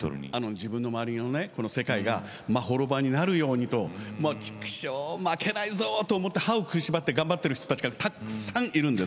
自分の周りがまほろばになるようにちくしょう負けないぞと歯を食いしばって頑張っている人がたくさんいるんです。